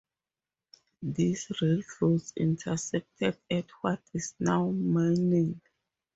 These railroads intersected at what is now Manning.